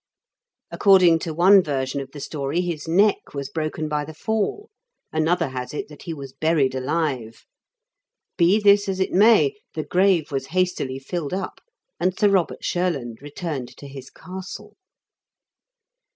According to one version of the story his neck was broken by the fall ; another has it that he was buried alive. Be this as it may, the grave was hastily filled up, and Sir Robert Shurland returned to his castle.